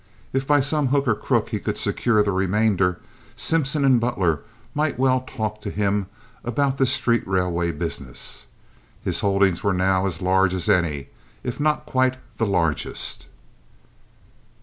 If by some hook or crook he could secure the remainder, Simpson and Butler might well talk to him about this street railway business. His holdings were now as large as any, if not quite the largest.